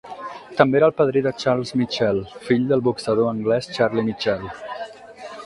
També era el padrí de Charles Mitchell, fill del boxador anglès Charlie Mitchell.